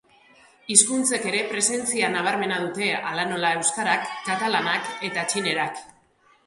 Hizkuntzek ere presentzia nabarmena dute, hala nola euskarak, katalanak eta txinerak.